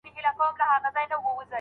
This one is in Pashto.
تېر وخت بدلېدای نسي.